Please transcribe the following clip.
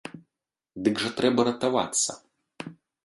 Дык жа трэба ратавацца.